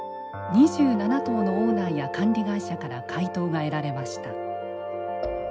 ２７棟のオーナーや管理会社から回答が得られました。